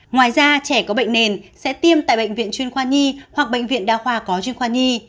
ngoài ra trẻ có bệnh nền sẽ tiêm tại bệnh viện chuyên khoa nhi hoặc bệnh viện đa khoa có chuyên khoa nhi